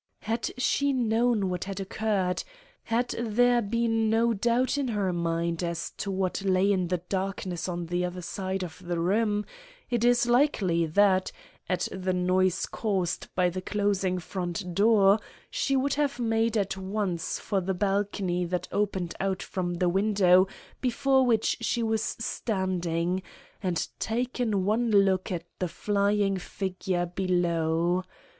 Had she known what had occurred—had there been no doubt in her mind as to what lay in the darkness on the other side of the room—it is likely that, at the noise caused by the closing front door, she would have made at once for the balcony that opened out from the window before which she was standing, and taken one look at the flying figure below.